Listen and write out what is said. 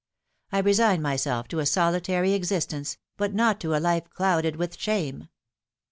I resign myself to a solitary existence but not to a life clouded with shame.